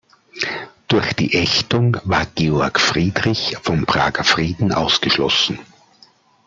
Durch die Ächtung war Georg Friedrich vom Prager Frieden ausgeschlossen.